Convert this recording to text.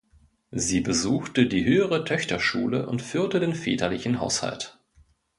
Sie besuchte die Höhere Töchterschule und führte den väterlichen Haushalt.